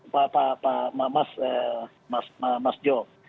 pak mas joss